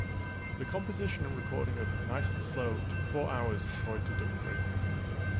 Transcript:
The composition and recording of "Nice and Slow" took four hours, according to Dupri.